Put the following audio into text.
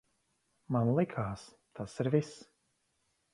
Man likās, tas ir viss.